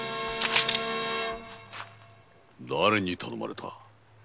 だれに頼まれた？